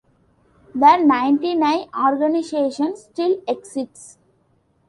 The Ninety-Nine organization still exists.